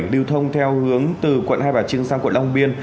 lưu thông theo hướng từ quận hai bà trưng sang quận long biên